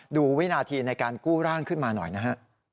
วินาทีในการกู้ร่างขึ้นมาหน่อยนะฮะ